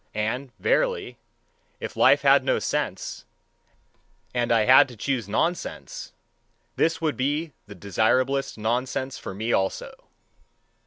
And verily, if life had no sense, and had I to choose nonsense, this would be the desirablest nonsense for me also.